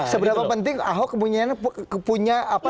seberapa penting ahok punya